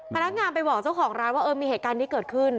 พนักงานไปบอกเจ้าของร้านว่าเออมีเหตุการณ์นี้เกิดขึ้น